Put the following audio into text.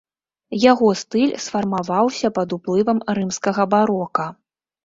Яго стыль сфармаваўся пад уплывам рымскага барока.